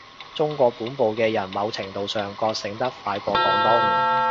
中國本部嘅人某程度上覺醒得快過廣東